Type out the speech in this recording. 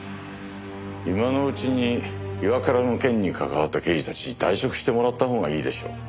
今のうちに岩倉の件に関わった刑事たちに退職してもらったほうがいいでしょう。